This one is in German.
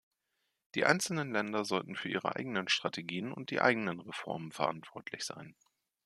Die einzelnen Länder sollten für ihre eigenen Strategien und die eigenen Reformen verantwortlich sein.